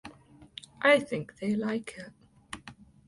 I think they like it.